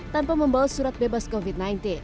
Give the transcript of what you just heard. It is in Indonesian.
tanpa membawa surat bebas covid sembilan belas